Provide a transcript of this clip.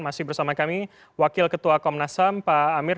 masih bersama kami wakil ketua komnas ham pak amir